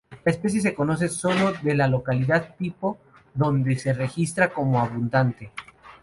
La especie se conoce sólo de la localidad tipo, donde se registra como abundante.